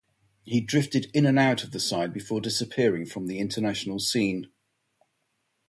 He drifted in and out of the side, before disappearing from the international scene.